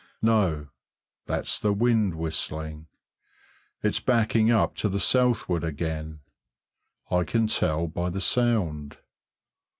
No that's the wind whistling. It's backing up to the southward again. I can tell by the sound.